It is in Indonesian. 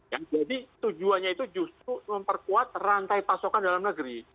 jadi tujuannya itu justru memperkuat rantai pasokan dalam negeri